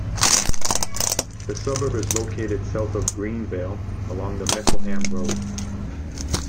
The suburb is located south of Greenvale, along Mickleham Road.